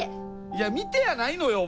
いや「見て」やないのよ